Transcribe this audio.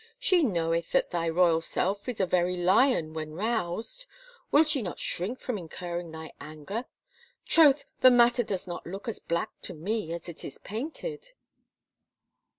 She knoweth that thy royal self is a very lion when roused. Will she not shrink from incurring thy anger? ... Troth, the matter does not look as black to me as it is painted